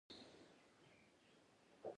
هر ځوان غواړي ښه بدن ولري.